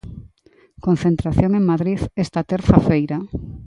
Concentración en Madrid, esta terza feira.